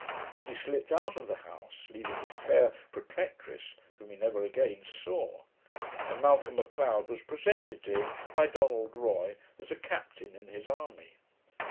He slipped out of the house, leaving his fair protectress, whom he never again saw; and Malcolm Macleod was presented to him by Donald Roy, as a captain in his army.